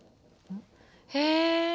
へえ。